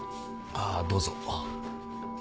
ああどうぞ。